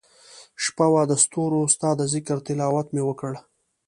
شپه وه دستورو ستا دذکرتلاوت مي وکړ